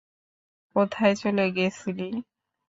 কোথায় চলে গেছিলি?